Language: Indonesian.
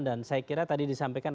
dan saya kira tadi disampaikan